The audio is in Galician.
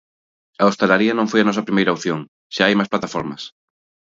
A hostalaría non foi a nosa primeira opción, xa hai máis plataformas.